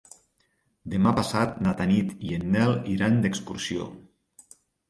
Demà passat na Tanit i en Nel iran d'excursió.